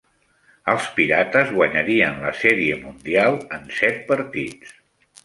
Els Pirates guanyarien la Sèrie Mundial en set partits.